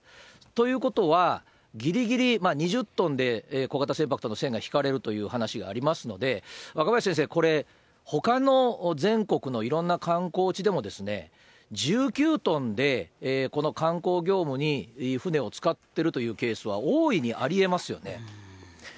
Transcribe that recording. ということは、ぎりぎり、２０トンで小型船舶との線が引かれるという話がありますので、若林先生、これ、ほかの全国のいろんな観光地でも、１９トンでこの観光業務に船を使ってるというケースは、大いにありえますよね。